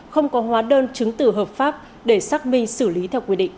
không có hóa đơn chứng từ hợp pháp để xác minh xử lý theo quy định